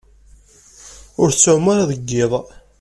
Ur tettɛumu ara deg yiḍ.